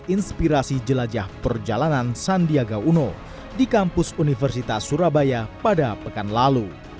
inspirasi jelajah perjalanan sandiaga uno di kampus universitas surabaya pada pekan lalu